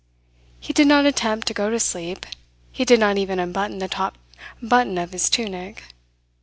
He did not attempt to go to sleep; he did not even unbutton the top button of his tunic.